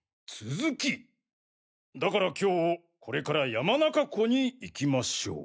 「だから今日これから山中湖に行きましょう」。